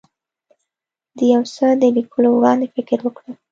د یو څه د لیکلو وړاندې فکر وکړه.